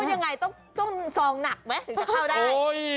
ยังไงต้องซองหนักไหมถึงจะเข้าได้